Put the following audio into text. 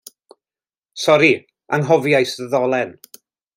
Sori, anghofiais y ddolen.